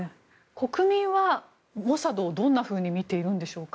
国民はモサドをどんなふうに見ているんでしょうか。